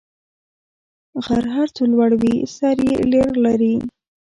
غر هر څو لوړ وي، سر یې لېر لري.